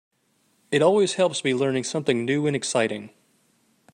It always helps to be learning something new and exciting.